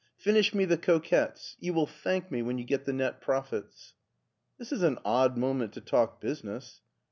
Finish me the 'Coquettes.* You will thank me when you get the net profits." This is an odd moment to talk business."